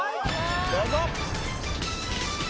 どうぞ！